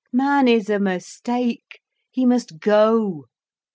Man is a mistake, he must go.